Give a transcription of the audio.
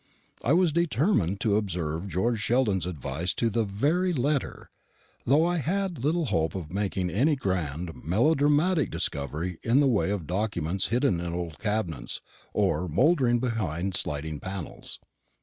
I was determined to observe George Sheldon's advice to the very letter, though I had little hope of making any grand melodramatic discovery in the way of documents hidden in old cabinets, or mouldering behind sliding panels.